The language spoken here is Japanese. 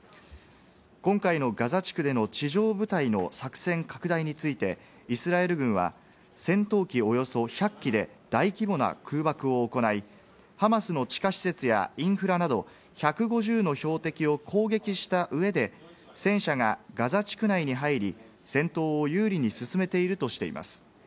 今回のガザ地区での地上部隊の作戦拡大について、イスラエル軍は戦闘機およそ１００機で大規模な空爆を行い、ハマスの地下施設やインフラなど１５０の標的を攻撃した上で戦車がガザ地区内に入り、戦闘を有利に進めているとしています。